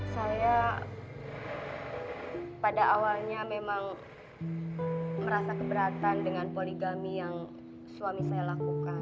saya pada awalnya memang merasa keberatan dengan poligami yang suami saya lakukan